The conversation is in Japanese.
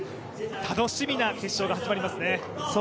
楽しみな決勝が始まりますね。